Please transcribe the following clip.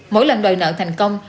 mỗi lần đòi nợ thành công